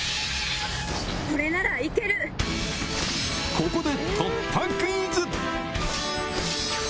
ここで突破クイズ！